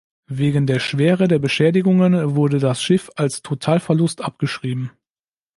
Wegen der Schwere der Beschädigungen wurde das Schiff als Totalverlust abgeschrieben.